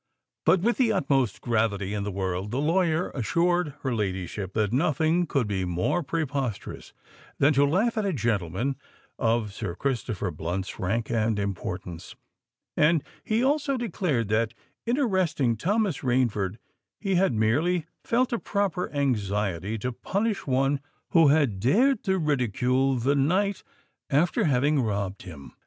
But with the utmost gravity in the world, the lawyer assured her ladyship that nothing could be more preposterous than to laugh at a gentleman of Sir Christopher Blunt's rank and importance; and he also declared that in arresting Thomas Rainford, he had merely felt a proper anxiety to punish one who had dared to ridicule the knight, after having robbed him.